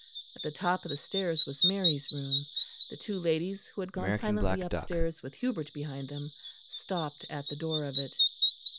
At the top of the stairs was Mary's room; the two ladies, who had gone silently upstairs with Hubert behind them, stopped at the door of it.